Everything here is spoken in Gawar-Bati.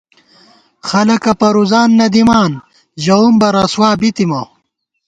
خلَکہ پرُوزان نہ دِمان، ژَوُم بہ رسوابِی تِمہ